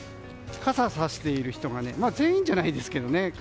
傘をさしている人が全員じゃないですけど。